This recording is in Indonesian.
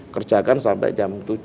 kerjakan sampai jam tujuh